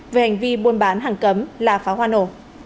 về hành vi buôn bán hàng cấm là pháo hoa nổ